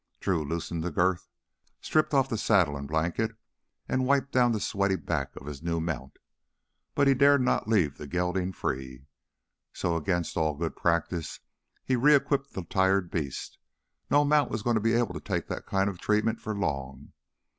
Drew loosened the girth, stripped off saddle and blanket, and wiped down the sweaty back of his new mount. But he dared not leave the gelding free. So, against all good practice, he re equipped the tired beast. No mount was going to be able to take that kind of treatment for long.